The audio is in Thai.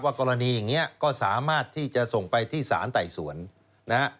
กรณีอย่างนี้ก็สามารถที่จะส่งไปที่สารไต่สวนนะฮะ